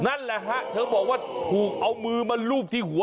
นั่นแหละฮะเธอบอกว่าถูกเอามือมาลูบที่หัว